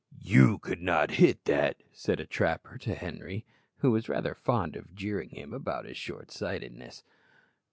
"You could not hit that," said a trapper to Henri, who was rather fond of jeering him about his shortsightedness.